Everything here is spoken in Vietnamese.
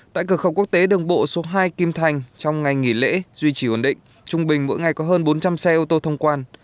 tại cửa khẩu quốc tế đường bộ số hai kim thành trong ngày nghỉ lễ duy trì ổn định trung bình mỗi ngày có hơn bốn trăm linh xe ô tô thông quan